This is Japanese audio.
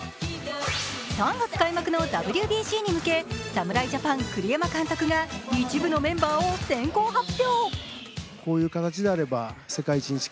３月開幕のＷＢＣに向け、侍ジャパン、栗山監督が一部のメンバーを先行発表。